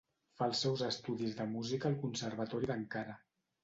Fa els seus estudis de música al Conservatori d'Ankara.